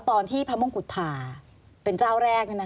ตอนที่พระมงกุฎผ่าเป็นเจ้าแรก